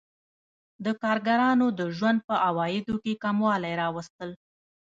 د کارګرانو د ژوند په عوایدو کې کموالی راوستل